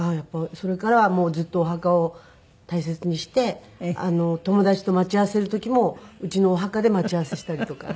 それからはずっとお墓を大切にして友達と待ち合わせる時もうちのお墓で待ち合わせしたりとか。